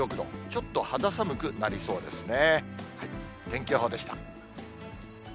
ちょっと肌寒くなりそうですね。